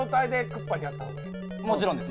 もちろんです。